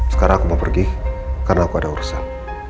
sekarang aku mau pergi karena aku ada urusan